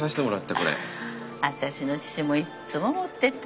私の父もいっつも持ってた。